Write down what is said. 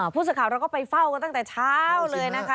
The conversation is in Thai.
ผู้สื่อข่าวเราก็ไปเฝ้ากันตั้งแต่เช้าเลยนะคะ